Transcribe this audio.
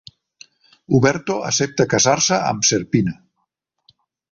Uberto accepta casar-se amb Serpina.